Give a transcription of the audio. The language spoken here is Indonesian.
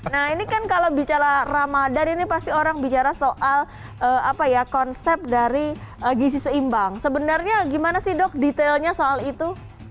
nah ini kan kalau bicara ramadhan ini pasti orang bicara soal konsep dari gizi seimbang sebenarnya gimana sih dok detailnya soal itu